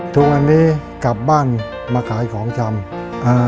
ทุกวันนี้กลับบ้านมาขายของชำอ่า